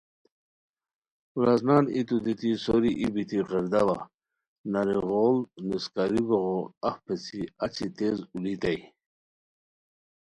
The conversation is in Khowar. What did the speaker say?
ورازنان ایتو دیتی سوری ای بیتی غیرداوا نری غوڑ نݰکاری گوغو اف پیڅھی اچی تیز اولیتائے